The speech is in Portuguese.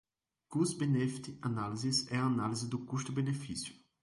Cost-Benefit Analysis é a análise custo-benefício.